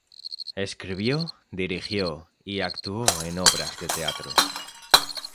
Escribió, dirigió y actuó en obras de teatro.